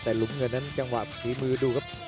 แต่หลุมเงินนั้นจังหวะฝีมือดูครับ